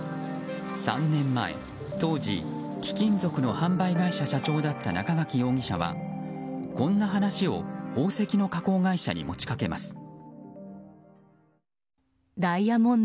３年前、当時、貴金属の販売会社社長だった中垣容疑者はこんな話を宝石の加工会社に持ち掛けます。